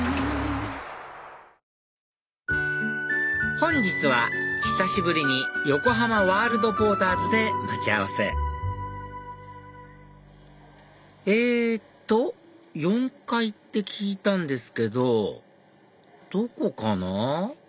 本日は久しぶりに横浜ワールドポーターズで待ち合わせえっと４階って聞いたんですけどどこかな？